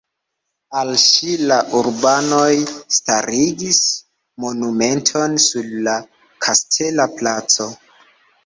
Al ŝi la urbanoj starigis monumenton sur la kastela placo.